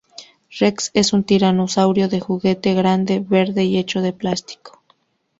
Rex es un tiranosaurio de juguete, grande, verde y hecho de plástico.